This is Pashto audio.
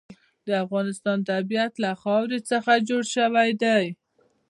د افغانستان طبیعت له خاوره څخه جوړ شوی دی.